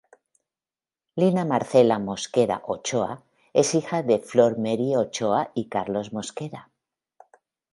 Lina Marcela Mosquera Ochoa, es hija de Flor Mery Ochoa y Carlos Mosquera.